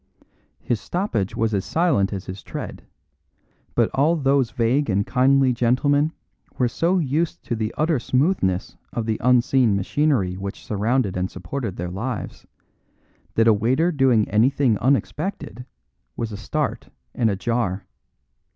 His stoppage was as silent as his tread; but all those vague and kindly gentlemen were so used to the utter smoothness of the unseen machinery which surrounded and supported their lives, that a waiter doing anything unexpected was a start and a jar.